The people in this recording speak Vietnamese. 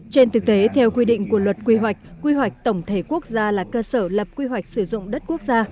trên thực tế theo quy định của luật quy hoạch quy hoạch tổng thể quốc gia là cơ sở lập quy hoạch sử dụng đất quốc gia